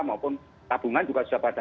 maupun tabungan juga sudah pada